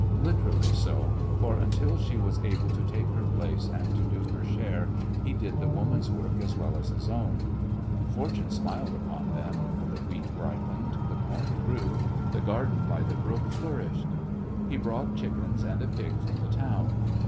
Literally so, for until she was able to take her place and to do her share, he did the Woman's work as well as his own. Fortmie smiled upon them; the wheat ripened, the com grew, the garden by the brook flourished. He brought chiekens and a pig from the town.